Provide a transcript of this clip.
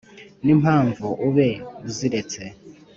n’impamvu ube uziretse